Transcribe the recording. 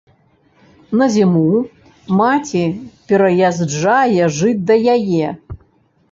На зіму маці пераязджае жыць да яе.